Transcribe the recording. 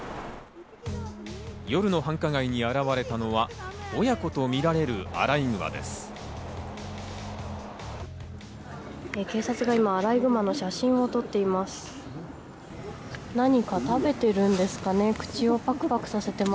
夜の繁華街に現れたのは親子とみられるアライグマです。